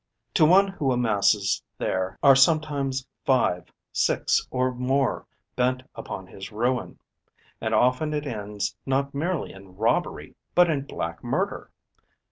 To one who amasses there are sometimes five, six or more bent upon his ruin; and often it ends not merely in robbery but in black murder.